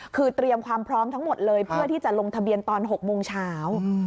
คือเตรียมความพร้อมทั้งหมดเลยเพื่อที่จะลงทะเบียนตอน๖โมงเช้า